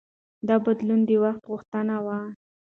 دا بدلون د وخت غوښتنه وه.